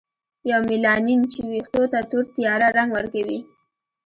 یومیلانین چې ویښتو ته تور تیاره رنګ ورکوي.